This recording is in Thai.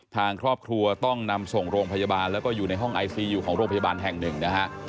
ทางครอบครัวต้องนำส่งโรงพยาบาลแล้วก็อยู่ในห้องไอซีอยู่ของโรงพยาบาลแห่งหนึ่งนะฮะ